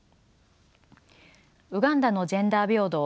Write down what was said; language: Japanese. ウガンダのジェンダー平等